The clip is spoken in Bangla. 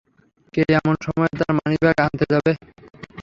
কে এমন সময়ে তার মানিব্যাগ আনতে যাবে?